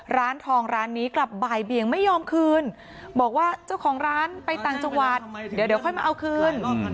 ร้านทองร้านนี้กลับบ่ายเบียงไม่ยอมคืนบอกว่าเจ้าของร้านไปต่างจังหวัดเดี๋ยวค่อยมาเอาคืน